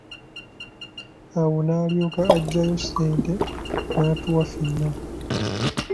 Awo n'alyoka aggyayo ssente n'atuwa ffenna,